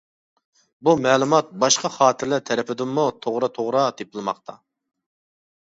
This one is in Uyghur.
بۇ مەلۇمات باشقا خاتىرىلەر تەرىپىدىنمۇ توغرا توغرا تېپىلماقتا.